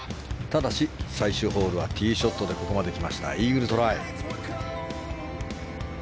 ただし、最終ホールはティーショットでここまで来てイーグルトライ。